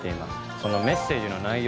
そのメッセージの内容